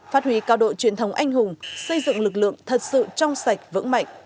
phát huy cao đội truyền thống anh hùng xây dựng lực lượng thật sự trong sạch vững mạnh